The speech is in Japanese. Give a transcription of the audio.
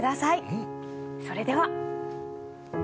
それでは。